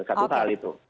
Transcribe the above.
satu hal itu